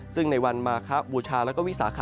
ซึ่งในวันมาคะบูชาและวิสาขะ